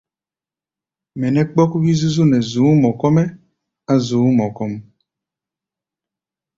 Mɛ nɛ́ kpɔ́k wí-zúzú nɛ zu̧ú̧ mɔ kɔ́-mɛ́ á̧ zu̧ú̧ mɔ kɔ́ʼm.